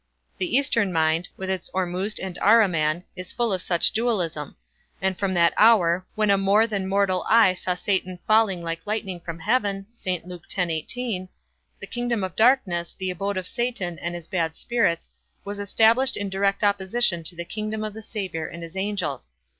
The Eastern mind, with its Ormuzd and Ahriman, is full of such dualism, and from that hour, when a more than mortal eye saw Satan falling like lightning from heaven, the kingdom of darkness, the abode of Satan and his bad spirits, was established in direct opposition to the kingdom of the Saviour and his angels.